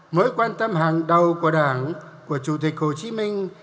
mới quan tâm hàng đầu của đảng của chủ tịch hồ chí minh